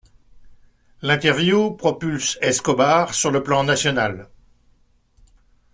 L'interview propulse Escobar sur le plan national.